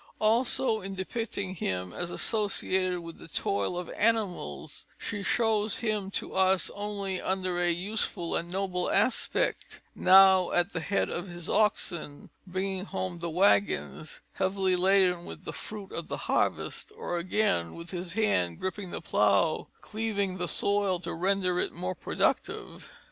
Also, in depicting him as associated with the toil of animals, she shows him to us only under a useful and noble aspect; now at the head of his oxen, bringing home the wagons heavily laden with the fruit of the harvest; or again, with his hand gripping the plough, cleaving the soil to render it more productive."